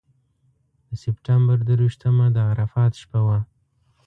د سپټمبر درویشتمه د عرفات شپه وه.